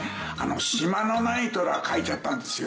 しまのないトラ描いちゃったんですよ。